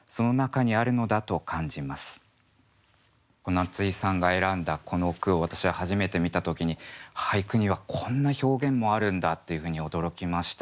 夏井さんが選んだこの句を私は初めて見た時に俳句にはこんな表現もあるんだというふうに驚きました。